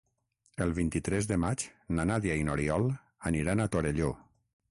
El vint-i-tres de maig na Nàdia i n'Oriol aniran a Torelló.